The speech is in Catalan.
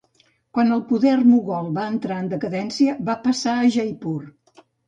Quan el poder mogol va entrar en decadència va passar a Jaipur.